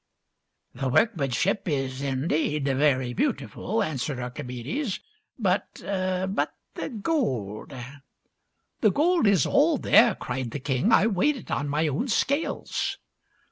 " The workmanship is indeed very beautiful," answered Archimedes, "but — but the gold —"" The gold is all there," cried the king. " I weighed it on my own scales."